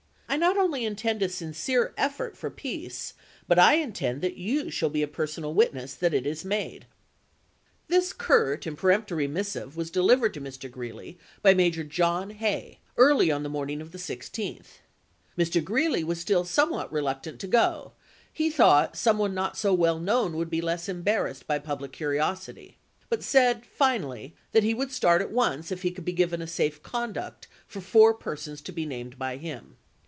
I not only intend a sincere effort for Greeiey, peace, but I intend that you shall be a personal ise*. ms. witness that it is made." 190 ABRAHAM LINCOLN Lincoln to Hay, July 16, 1864. MS. This curt and peremptory missive was delivered to Mr. Greeley by Major John Hay early on the morning of the 16th. Mr. Greeley was still some what reluctant to go ; he thought some one not so well known would be less embarrassed by public curiosity ; but said finally that he would start at once if he could be given a safe conduct for four persons, to be named by him.